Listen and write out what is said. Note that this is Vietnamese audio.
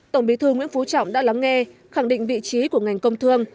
tổng bí thư nguyễn phú trọng đã lắng nghe khẳng định vị trí của ngành công thương